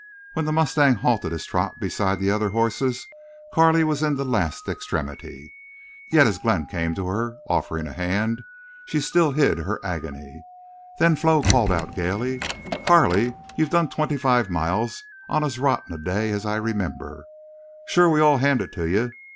When the mustang halted his trot beside the other horses Carley was in the last extremity. Yet as Glenn came to her, offering a hand, she still hid her agony. Then Flo called out gayly: "Carley, you've done twenty five miles on as rotten a day as I remember. Shore we all hand it to you.